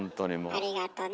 ありがとね